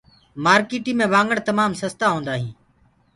مآرڪيٚٽي مي وآگڻ تمآم سستآ هوندآ هينٚ